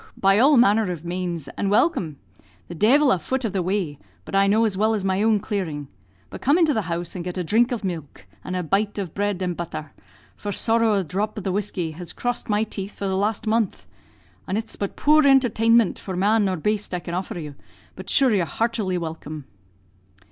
by all manner of manes, and welcome; the dhevil a foot of the way but I know as well as my own clearing; but come into the house, and get a dhrink of milk, an' a bite of bread an' butther, for sorrow a dhrop of the whiskey has crossed my teeth for the last month; an' it's but poor intertainment for man or baste I can offer you, but shure you're heartily welcome."